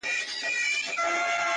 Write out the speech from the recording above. چي د بخت ستوری مو کله و ځلېږې,